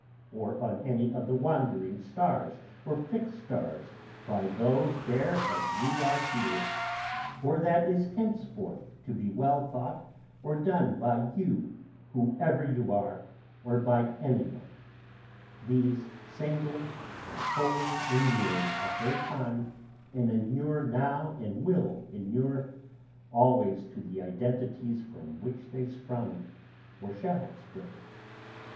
or on any of the wandering stars or fixed stars by those there as we are here ... or that is henceforth to be well thought or done by you whoever you are, or by any one these singly and wholly inured at their time and inure now and will inure always to the identities from which they sprung or shall spring